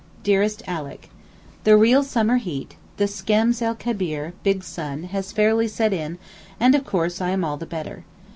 DEAREST ALICK, The real summer heat—the Skems el Kebeer (big sun) has fairly set in, and of course I am all the better.